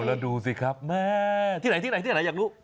แล้วดูสิครับที่ไหนอยากรู้